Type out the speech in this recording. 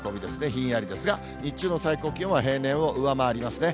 ひんやりですが、日中の最高気温は平年を上回りますね。